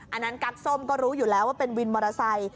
อันนั้นกั๊กส้มก็รู้อยู่แล้วว่าเป็นวินมอเตอร์ไซค์